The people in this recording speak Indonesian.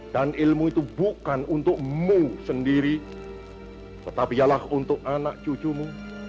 dan ilmu itu bukan untukmu sendiri tetapi ialah untuk anak cucumu